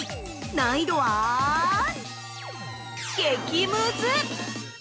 難易度は激ムズ！